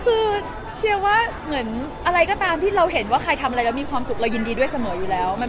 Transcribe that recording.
คือเชียร์ว่าเหมือนอะไรก็ตามที่เราเห็นว่าใครทำอะไรแล้วมีความสุขเรายินดีด้วยเสมออยู่แล้ว